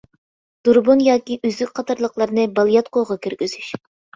دۇربۇن ياكى ئۈزۈك قاتارلىقلارنى بالىياتقۇغا كىرگۈزۈش.